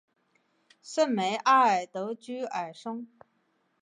圣梅阿尔德居尔松。